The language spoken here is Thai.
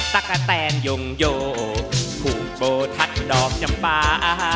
ตะกะแตนยงโยผู้โบทัศดอกจำปา